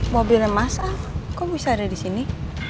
mobilnya mas al kok bisa ada disini